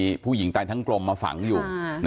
พวกผู้หญิงตามจังกลมมาฝังอยู่